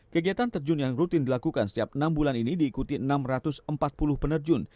kegiatan terjun yang rutin dilakukan setiap enam bulan ini diikuti enam ratus empat puluh penerjun